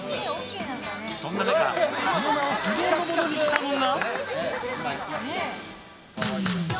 そんな中その名を不動のものにしたのが。